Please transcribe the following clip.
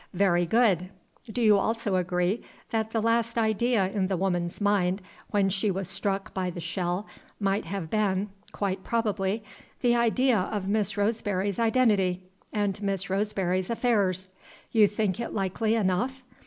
"Very good. Do you also agree that the last idea in the woman's mind when she was struck by the shell might have been (quite probably) the idea of Miss Roseberry's identity and Miss Roseberry's affairs? You think it likely enough?